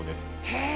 へえ。